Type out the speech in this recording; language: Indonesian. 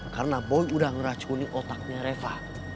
karena boy udah ngeracunin otaknya reva